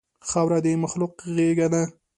خاوره د مخلوق غېږه ده.